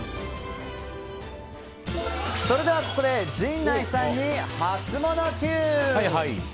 それでは、ここで陣内さんにハツモノＱ！